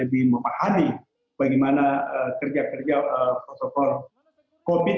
lebih memahami bagaimana kerja kerja protokol covid sembilan belas